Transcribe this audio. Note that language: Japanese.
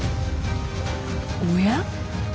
おや？